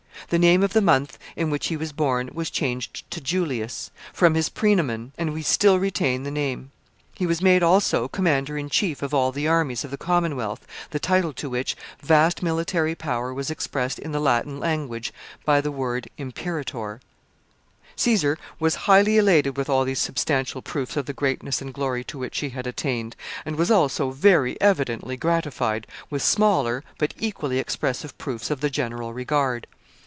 The name of the month in which he was born was changed to Julius, from his praenomen, and we still retain the name. He was made, also, commander in chief of all the armies of the commonwealth, the title to which vast military power was expressed in the Latin language by the word IMPERATOR. [Sidenote: Statues of Caesar.] Caesar was highly elated with all these substantial proofs of the greatness and glory to which he had attained, and was also very evidently gratified with smaller, but equally expressive proofs of the general regard.